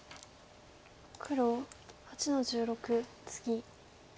黒８の十六ツギ。